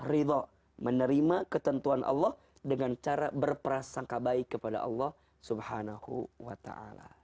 ridho menerima ketentuan allah dengan cara berprasangka baik kepada allah subhanahu wa ta'ala